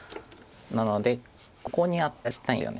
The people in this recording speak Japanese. なのでここにアタリしたいんですよね。